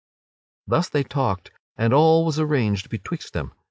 Thus they talked, and all was arranged betwixt them.